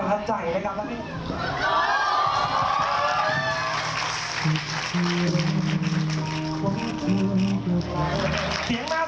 เห็นภาคความรักใจไหมครับ